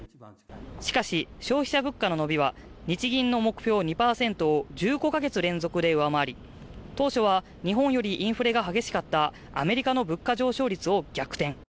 しかし消費者物価の伸びは日銀の目標２％を１５か月連続で上回り当初は日本よりインフレが激しかったアメリカの物価上昇率を逆転